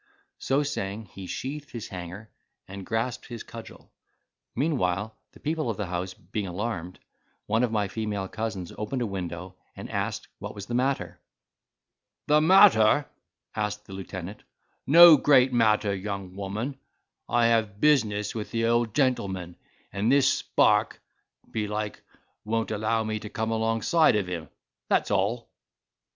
So saying, he sheathed his hanger, and grasped his cudgel. Meanwhile the people of the house being alarmed, one of my female cousins opened a window, and asked what was the matter. "The matter!" answered the lieutenant; "no great matter, young woman; I have business with the old gentleman, and this spark, belike, won't allow me to come alongside of him," that's all.